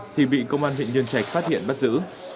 thì bị công an huyện nhân trạch phát hiện bắt giữ